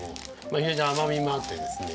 非常に甘みもあってですね